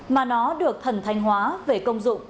mà nó được thần thanh hóa về công dụng